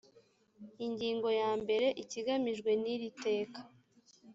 ingingo ya mbere ikigamijwe n iri teka